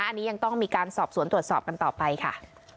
อันนี้ยังต้องมีการสอบสวนตรวจสอบกันต่อไปค่ะ